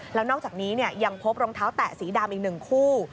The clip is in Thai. แล้วนอกจากนี้ยังพบรองเท้าแตะสีดำอีก๑คู่